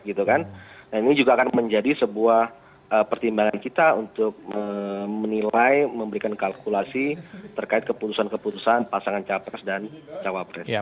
ini juga akan menjadi sebuah pertimbangan kita untuk menilai memberikan kalkulasi terkait keputusan keputusan pasangan capres dan cawapres